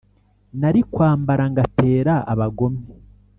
nari kwambara ngatera abagome